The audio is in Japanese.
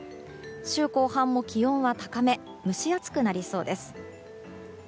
週後半も気温は高め蒸し暑くなりそうです。